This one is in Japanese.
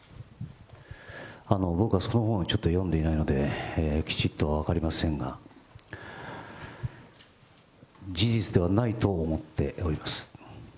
僕は、その本はちょっと読んでいないので、きちっとは分かりませんが、事実ではないと思っております。